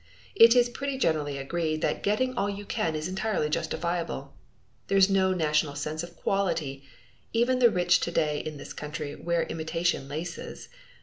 It is pretty generally agreed that getting all you can is entirely justifiable. There is no national sense of quality; even the rich to day in this country wear imitation laces.